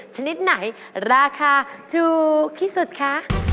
ชนิดไหนราคาถูกที่สุดคะ